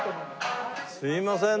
すいません。